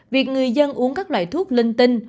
việc người dân uống các loại thuốc linh tinh